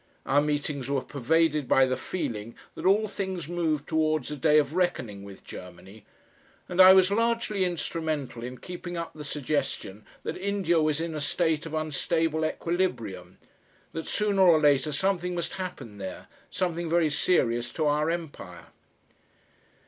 Our meetings were pervaded by the feeling that all things moved towards a day of reckoning with Germany, and I was largely instrumental in keeping up the suggestion that India was in a state of unstable equilibrium, that sooner or later something must happen there something very serious to our Empire.